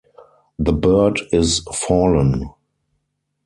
The Bird is Fallen.